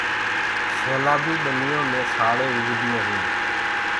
سيلآ بي ٻنيو مي سآݪينٚ اُگديونٚ هين۔